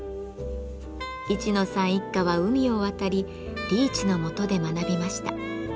市野さん一家は海を渡りリーチのもとで学びました。